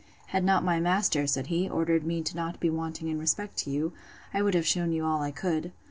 Had not my master, said he, ordered me not to be wanting in respect to you, I would have shewn you all I could.